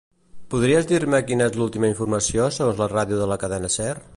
Podries dir-me quina és l'última informació segons la ràdio de la "Cadena Ser"?